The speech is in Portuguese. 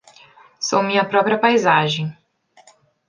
Sou minha própria paisagem;